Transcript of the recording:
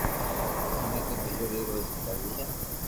مني تو ٻچو ري روزي ڪروي ھي